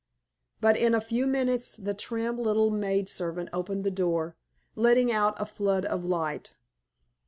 But in a few minutes the trim little maid servant opened the door, letting out a flood of light.